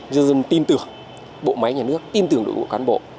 nhân dân tin tưởng bộ máy nhà nước tin tưởng đội ngũ cán bộ